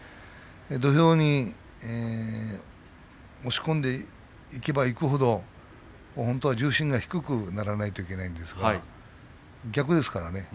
土俵に押し込んでいけばいくほど本当は重心が低くならないといけないんですが逆ですからね。